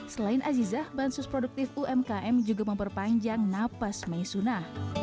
selain azizah bansus produktif umkm juga memperpanjang napas maisuna